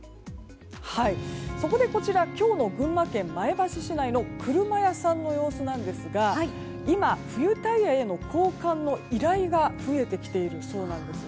そこで、こちらは今日の群馬県前橋市内の車屋さんの様子なんですが今、冬タイヤへの交換の依頼が増えてきているそうなんです。